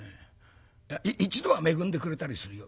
１度は恵んでくれたりするよ。